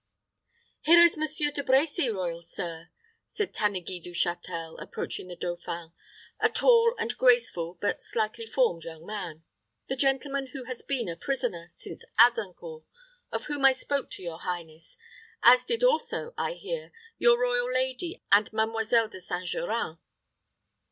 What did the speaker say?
"Here is Monsieur De Brecy, royal sir," said Tanneguy du Châtel, approaching the dauphin a tall and graceful, but slightly formed young man "the gentleman who has been a prisoner! since Azincourt, of whom I spoke to your highness, as did also, I hear, your royal lady, and Mademoiselle De St. Geran."